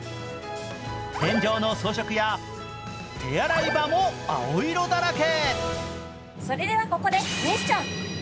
天井の装飾や手洗い場も青色だらけ。